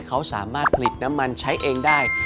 เขาสามารถผลิตน้ำมันใช้เองได้